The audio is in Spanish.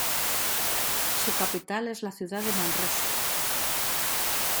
Su capital es la ciudad de Manresa.